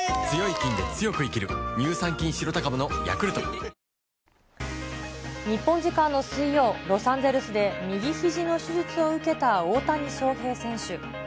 警察は男を拘束し、日本時間の水曜、ロサンゼルスで右ひじの手術を受けた大谷翔平選手。